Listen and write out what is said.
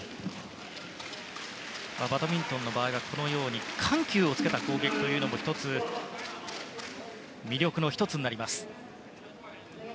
バドミントンの場合はこのように緩急をつけた攻撃も魅力の１つになります。